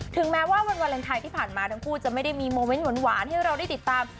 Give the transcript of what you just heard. แม้ว่าวันวาเลนไทยที่ผ่านมาทั้งคู่จะไม่ได้มีโมเมนต์หวานให้เราได้ติดตาม